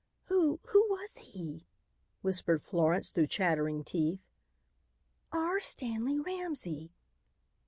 "Who who was he?" whispered Florence through chattering teeth. "R. Stanley Ramsey."